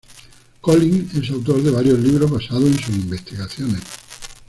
Collins es autor de varios libros basados en sus investigaciones.